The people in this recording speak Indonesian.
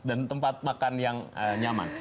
dan tempat makan yang nyaman